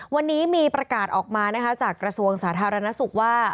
วันนี้มีประกาศออกมานะคะจากกระทรวงสาธารณสุขว่า